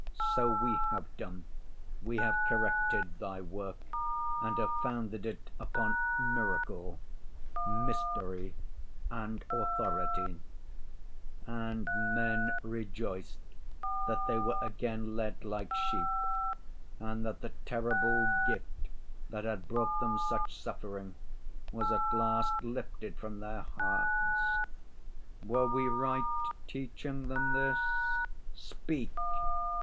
So we have done. We have corrected Thy work and have founded it upon miracle, mystery and authority. And men rejoiced that they were again led like sheep, and that the terrible gift that had brought them such suffering was, at last, lifted from their hearts. Were we right teaching them this? Speak!